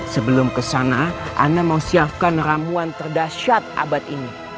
sebelum kesana ana mau siapkan ramuan terdasar abad ini